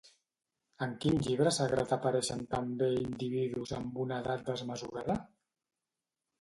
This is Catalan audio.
En quin llibre sagrat apareixen també individus amb una edat desmesurada?